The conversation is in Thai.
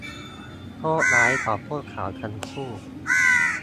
โชคร้ายของพวกเขาทั้งคู่